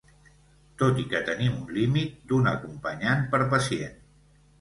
Tot i que tenim un límit d'un acompanyant per pacient.